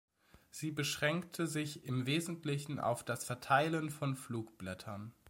Sie beschränkte sich im Wesentlichen auf das Verteilen von Flugblättern.